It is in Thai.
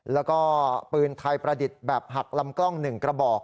แล้วก็ปืนไทยประดิษฐ์แบบหักลำกล้อง๑กระบอก